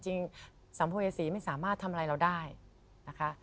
สัมภเวษีไม่สามารถทำอะไรเราได้นะคะ